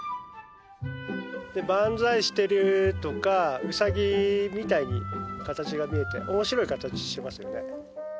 万歳してるとかウサギみたいに形が見えて面白い形してますよね。